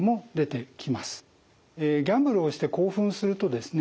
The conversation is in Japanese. ギャンブルをして興奮するとですね